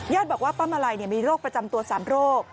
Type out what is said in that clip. บอกว่าป้ามาลัยมีโรคประจำตัว๓โรค